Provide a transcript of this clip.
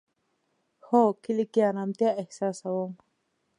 هو، کلی کی ارامتیا احساسوم